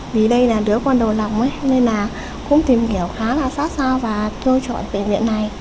vì đây là đứa con đầu lòng nên là cũng tìm hiểu khá là xa xa và lựa chọn bệnh viện này